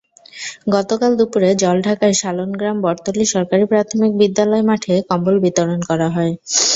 গতকাল দুপুরে জলঢাকার শালনগ্রাম বটতলী সরকারি প্রাথমিক বিদ্যালয় মাঠে কম্বল বিতরণ করা হয়।